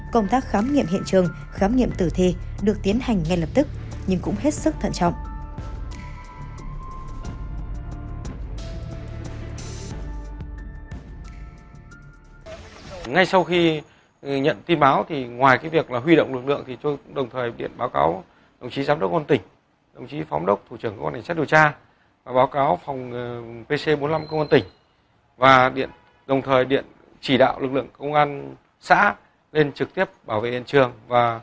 công tác khám nghiệm hiện trường khám nghiệm tử thê được tiến hành ngay lập tức nhưng cũng hết sức thận trọng